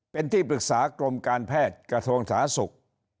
เป็นที่ปรึกษากรมการแพทย์กระทรวงสาธารณสุข